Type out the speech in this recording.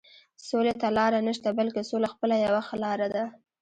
سولې ته لاره نشته، بلکې سوله خپله یوه ښه لاره ده.